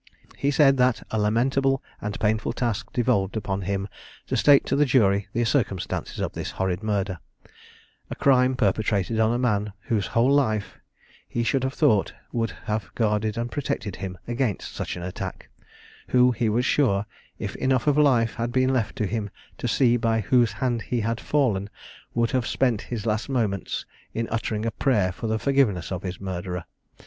He said that a lamentable and painful task devolved upon him to state to the jury the circumstances of this horrid murder, a crime perpetrated on a man whose whole life, he should have thought, would have guarded and protected him against such an attack who, he was sure, if enough of life had been left him to see by whose hand he had fallen, would have spent his last moment in uttering a prayer for the forgiveness of his murderer.